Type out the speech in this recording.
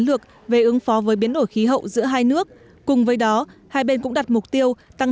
lược về ứng phó với biến đổi khí hậu giữa hai nước cùng với đó hai bên cũng đặt mục tiêu tăng